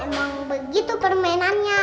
emang begitu permainannya